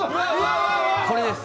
これです。